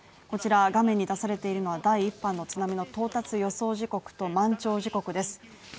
こちら画面に出されているのは第１波の津波の到達予想時刻と満潮時刻です。